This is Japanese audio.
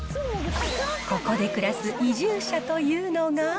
ここで暮らす移住者というのが。